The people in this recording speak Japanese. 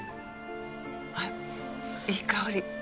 あらいい香り。